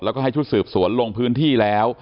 แล้วก็ให้ชุดสืบสวนลงพื้นที่แล้ว